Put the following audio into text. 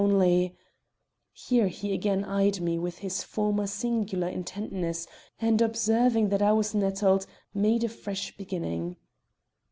Only " Here he again eyed me with his former singular intentness, and observing that I was nettled, made a fresh beginning.